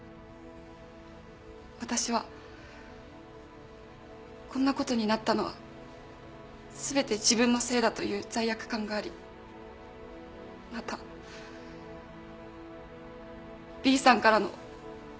私はこんなことになったのは全て自分のせいだという罪悪感がありまたＢさんからの暴力も怖く指示に従うことにしました。